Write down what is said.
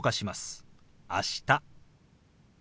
「あした」。